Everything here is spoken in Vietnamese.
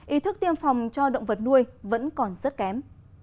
ý thức tiêm phòng cho động vật nuôi vẫn còn rất kém